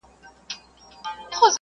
د وژل شويو کسانو کله منارونه جوړ شول.